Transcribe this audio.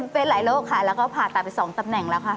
เป็นหลายโรคค่ะแล้วก็ผ่าตัดไป๒ตำแหน่งแล้วค่ะ